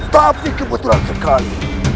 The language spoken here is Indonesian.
tapi kebetulan sekali